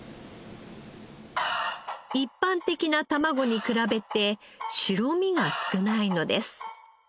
一般的な卵に比べて白身が少ないのです。